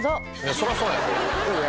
そりゃそうや。